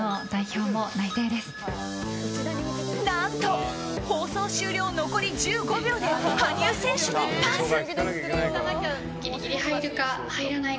何と、放送終了残り１５秒で羽生選手にパス。